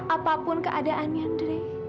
apapun keadaannya drei